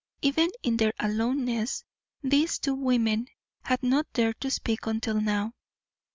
Even in their aloneness these two women had not dared to speak until now.